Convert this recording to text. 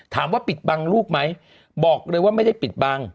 ถามว่าปิดบังลูกไหมบอกเลยว่าไม่ได้ปิดบัง